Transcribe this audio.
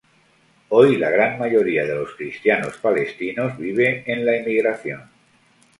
Hoy, la gran mayoría de los cristianos palestinos vive en la emigración.